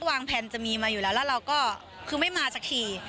แพลนจะมีมาอยู่แล้วแล้วเราก็คือไม่มาสักที